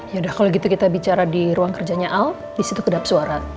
yaudah kalau gitu kita bicara di ruang kerjanya al di situ kedap suara